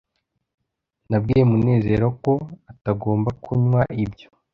nabwiye munezero ko atagomba kunywa ibyo